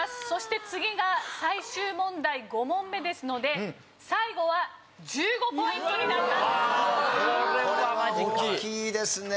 そして次が最終問題５問目ですので最後は１５ポイントになります！